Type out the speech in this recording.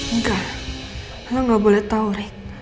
enggak lo gak boleh tau rick